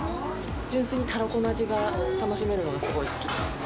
純粋にたらこの味が楽しめるのがすごい好きです。